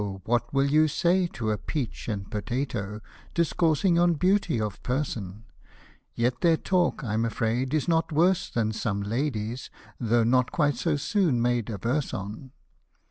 WHAT will you say to a peach and potatoe, Discoursing on beauty of person ? Yet their talk Pm afraid is not worse than some ladies', Though not quite so soon made a verse on.